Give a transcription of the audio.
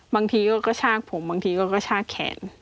บางทีก็กระชากผมบางทีก็กระชากแขน